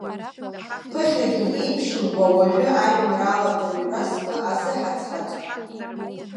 Ԥыхьагьы еиԥшымкәа уажәы ажәеинраалақәа рыҩра сгәы азыҳаҵҳаҵон.